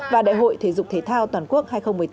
và đại hội thể dục thể thao toàn quốc hai nghìn một mươi tám